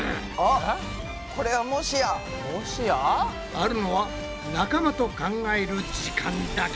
あるのは仲間と考える時間だけ！